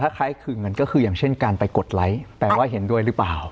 คล้ายคือเงินก็คืออย่างเช่นการไปกดไลค์แปลว่าเห็นด้วยหรือเปล่า